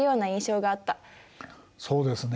そうですね。